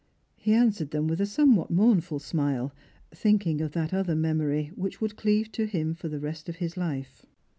He answered them with a somewhat mournful smile, thinking of that other memory which would cleave to him for the rest of his life.